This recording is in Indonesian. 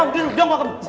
udah gak mau